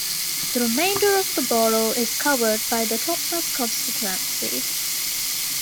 The remainder of the borough is covered by the Totnes constituency.